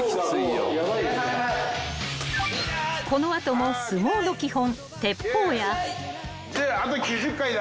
［この後も相撲の基本］